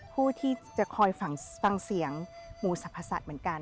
ผู้ที่จะคอยฟังเสียงหมู่สรรพสัตว์เหมือนกัน